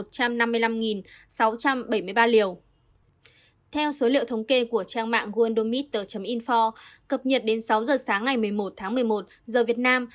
theo số liệu thống kê của trang mạng oldomiter info cập nhật đến sáu giờ sáng ngày một mươi một tháng một mươi một giờ việt nam